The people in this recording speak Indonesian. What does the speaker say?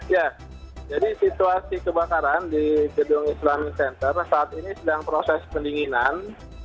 ya jadi situasi kebakaran di gedung islamic center saat ini sedang proses pendinginan